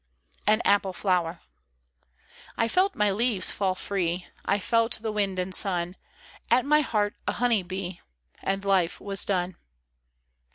AN APPLE FLOWER. I FELT my leaves fall free, I felt the wind and sun. At my heart a honey bee : And life was done.